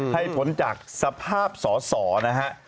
ให้ผลจากสภาพสอสอนะฮะ